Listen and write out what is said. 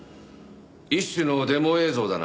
一種のデモ映像だな。